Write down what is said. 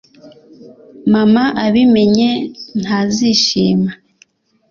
Mama abimenye ntazishima